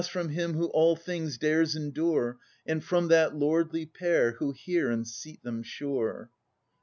from him who all things dares endure, And from that lordly pair, who hear, and seat them sure!